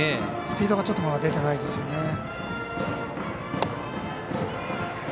スピードがまだちょっと出てないですよね。